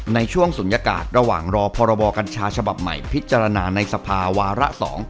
ศูนยากาศระหว่างรอพรบกัญชาฉบับใหม่พิจารณาในสภาวาระ๒